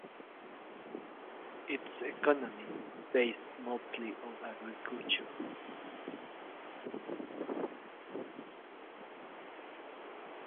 Its economy is based mostly on agriculture.